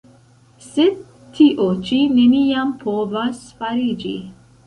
Sed tio ĉi neniam povas fariĝi!